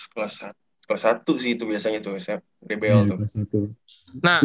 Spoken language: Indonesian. kelas satu sih itu biasanya tuh sma bbl tuh